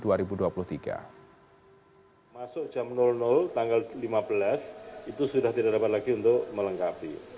masuk jam tanggal lima belas itu sudah tidak dapat lagi untuk melengkapi